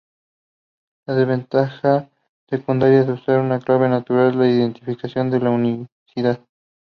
La desventaja secundaria de usar una clave natural es la identificación de la unicidad.